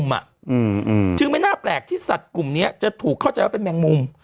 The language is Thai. จึงไม่น่าแปลกที่สัตว์กลุ่มนี้จะถูกเข้าใจว่าเป็นแมงมุม